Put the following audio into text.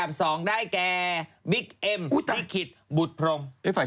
ผมไม่รู้จักบิ๊กเอ็ม